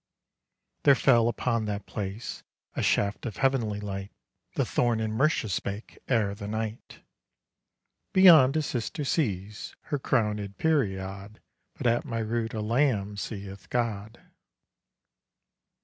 There fell upon that place A shaft of heavenly light; The thorn in Mercia spake Ere the night: "Beyond, a sister sees Her crownèd period, But at my root a lamb Seeth God."